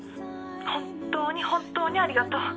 本当に本当にありがとう。